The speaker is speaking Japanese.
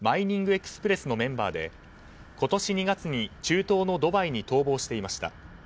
エクスプレスのメンバーで、今年２月に中東のドバイに逃亡していました。